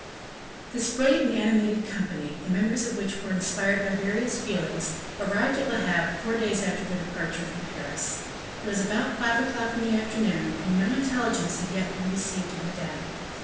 This brilliant and animated company, the members of which were inspired by various feelings, arrived at Le Havre four days after their departure from Paris. It was about five o'clock in the afternoon, and no intelligence had yet been received of Madame.